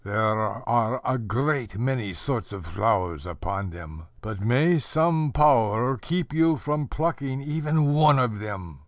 There are a great many sorts of flowers upon them. But may some power keep you from plucking even one of them.